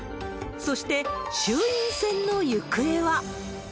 そして、衆院選の行方は。